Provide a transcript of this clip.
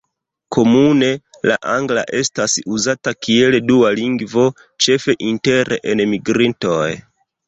Komune, la angla estas uzata kiel dua lingvo, ĉefe inter enmigrintoj.